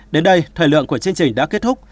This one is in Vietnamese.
đến đây thời lượng của chương trình đã kết thúc